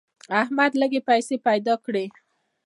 احمد لږې پیسې پیدا کړې.